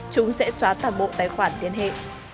chúng sẽ xóa tạm bộ tài khoản tiến hệ